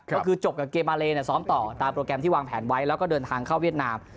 ก็คือจบกับเกมมาเลซ้อมต่อตามโปรแกรมที่วางแผนไว้แล้วก็เดินทางเข้าเวียดนาม